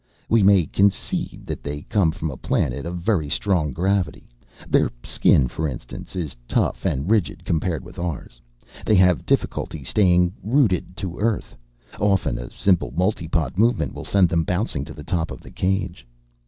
"We may concede that they come from a planet of very strong gravity. Their skin, for instance, is tough and rigid compared with ours. They have difficulty staying rooted to earth often a simple multipod movement will send them bouncing to the top of the cage.